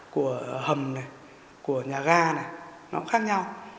của hầm này của nhà ga này nó cũng khác nhau